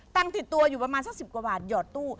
ติดตัวอยู่ประมาณสัก๑๐กว่าบาทหยอดตู้